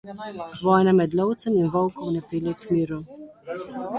Vojna med lovcem in volkom ne pelje k miru.